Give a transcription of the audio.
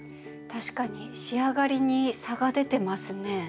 確かに仕上がりに差が出てますね。